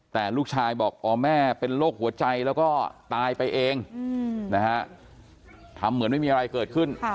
แต่ลูกชายบอกอ๋อแม่เป็นโรคหัวใจแล้วก็ตายไปเองนะฮะทำเหมือนไม่มีอะไรเกิดขึ้น